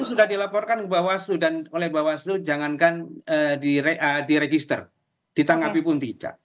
sudah dilaporkan ke bawaslu dan oleh bawaslu jangankan diregister ditanggapi pun tidak